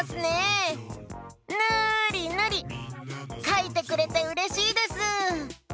かいてくれてうれしいです！